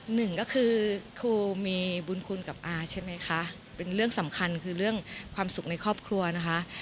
หนึ่งก็คือครูมีบุญคุณกับอาใช่ไหมคะเป็นเรื่องสำคัญคือเรื่องความสุขในครอบครัวนะคะ